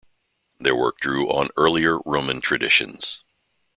Their work drew on earlier Roman traditions.